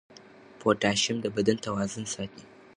پوټاشیم د بدن توازن ساتي.